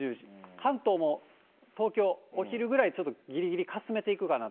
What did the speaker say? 関東も東京、お昼ぐらい、ちょっとぎりぎりかすめていくかなと。